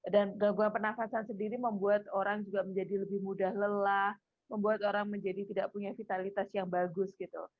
dan gangguan pernafasan sendiri membuat orang juga menjadi lebih mudah lelah membuat orang menjadi tidak punya vitalitas yang bagus gitu